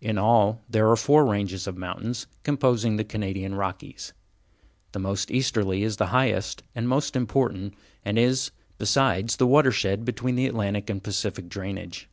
In all, there are four ranges of mountains composing the Canadian Rockies. The most easterly is the highest and most important, and is, besides, the watershed between the Atlantic and Pacific drainage.